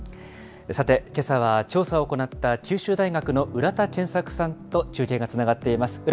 さて、けさは調査を行った九州大学の浦田健作さんと中継がつながっています。